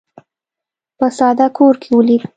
په ساده کور کې ولید.